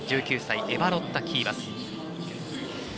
１９歳、エバロッタ・キーバス。